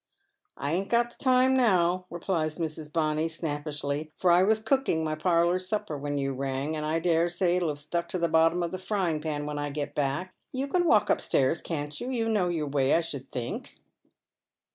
" I ain't got the time now," replies Mrs. Bonny, snappishly, " for I was cooking my parlour's supper when you rang, and I dare say it'll have stuck to the bottom of the frying pan when 1 get back. You can walk upstairs, can't you ? You know your way, I should think."